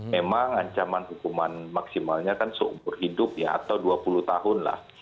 memang ancaman hukuman maksimalnya kan seumur hidup ya atau dua puluh tahun lah